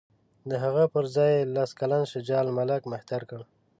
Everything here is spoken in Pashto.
د هغه پر ځای یې لس کلن شجاع الملک مهتر کړ.